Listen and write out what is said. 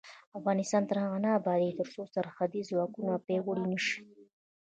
افغانستان تر هغو نه ابادیږي، ترڅو سرحدي ځواکونه پیاوړي نشي.